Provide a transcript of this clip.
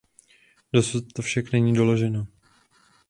Dosud to však není doloženo.